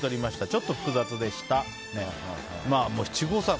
ちょっと複雑でした。